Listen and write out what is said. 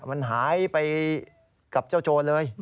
มันหายไปกับเจ้าโจรเลย